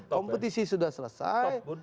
kompetisi sudah selesai